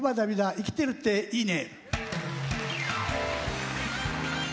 生きてるっていいね！」。